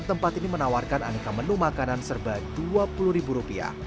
tempat ini menawarkan aneka menu makanan serba dua puluh ribu rupiah